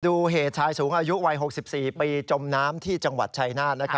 ดูเหตุชายสูงอายุวัย๖๔ปีจมน้ำที่จังหวัดชายนาฏ